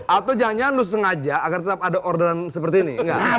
atau jangan nyanu sengaja agar tetap ada orderan seperti ini